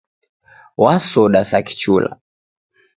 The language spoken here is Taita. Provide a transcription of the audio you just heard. Wasoda sa kichula.